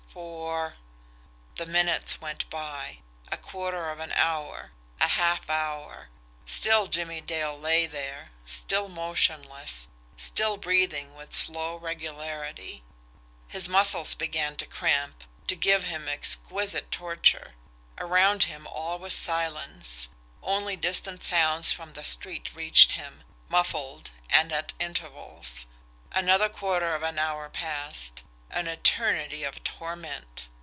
Four." The minutes went by a quarter of an hour a half hour. Still Jimmie Dale lay there still motionless still breathing with slow regularity. His muscles began to cramp, to give him exquisite torture. Around him all was silence only distant sounds from the street reached him, muffled, and at intervals. Another quarter of an hour passed an eternity of torment.